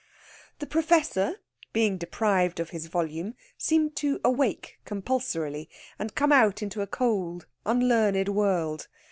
The Professor, being deprived of his volume, seemed to awake compulsorily, and come out into a cold, unlearned world.